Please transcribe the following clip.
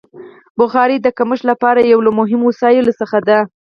بخاري د ګرمښت لپاره یو له مهمو وسایلو څخه ده.